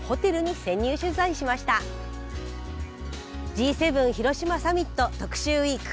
Ｇ７広島サミット特集ウイーク。